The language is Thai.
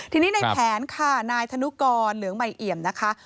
ทีนี้ในแผนค่ะนายธนุกรเหลืองใหม่เอี่ยมนะคะ